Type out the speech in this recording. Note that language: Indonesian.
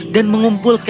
dan mengumpul sisanya